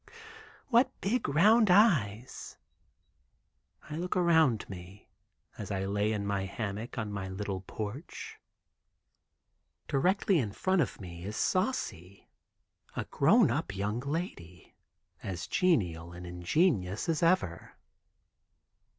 Wuu, wu, w—— "What big, round eyes." I look around me, as I lay in my hammock on my little porch. Directly in front of me is Saucy, a grown up young lady, as genial and ingenuous as ever.